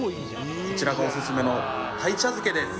こちらがオススメの鯛茶漬けです